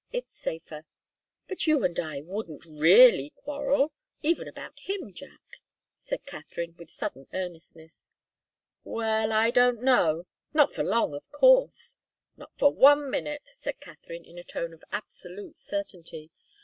It's safer." "But you and I wouldn't really quarrel even about him, Jack," said Katharine, with sudden earnestness. "Well I don't know. Not for long, of course." "Not for one minute," said Katharine, in a tone of absolute certainty.